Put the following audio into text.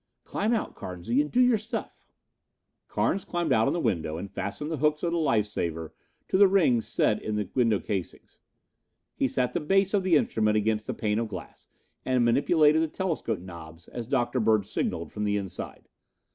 Climb out, Carnesy, and do your stuff." Carnes climbed out on the window and fastened the hooks of the life saver to the rings set in the window casings. He sat the base of the instrument against the pane of glass and manipulated the telescope knobs as Dr. Bird signalled from the inside.